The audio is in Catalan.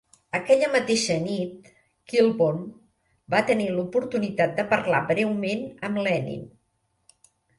Aquella mateixa nit, Kilbom va tenir l'oportunitat de parlar breument amb Lenin.